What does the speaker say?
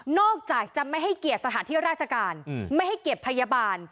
จากจะไม่ให้เกียรติสถานที่ราชการไม่ให้เกียรติพยาบาล